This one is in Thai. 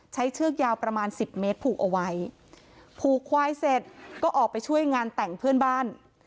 เชือกยาวประมาณสิบเมตรผูกเอาไว้ผูกควายเสร็จก็ออกไปช่วยงานแต่งเพื่อนบ้าน